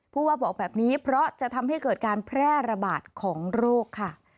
ผู้ว่าบอกแบบนี้เพราะจะทำให้เกิดการแพร่ระบาดของโรคค่ะ